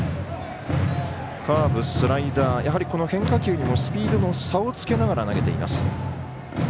カーブ、スライダー変化球にもスピードの差をつけながら投げています。